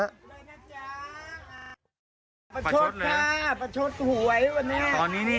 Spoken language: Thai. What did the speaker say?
ประชดค่ะประชดหวยวันนี้